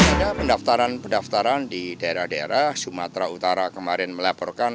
ada pendaftaran pendaftaran di daerah daerah sumatera utara kemarin melaporkan